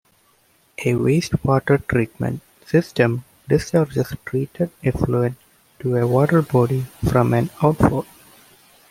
A wastewater treatment system discharges treated effluent to a water body from an outfall.